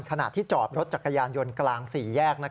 ขณะที่จอดรถจักรยานยนต์กลาง๔แยก